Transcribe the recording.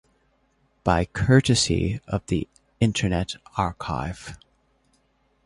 By courtesy of the Internet Archive.